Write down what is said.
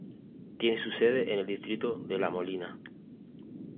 Tiene su sede en el distrito de La Molina.